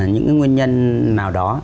những cái nguyên nhân nào đó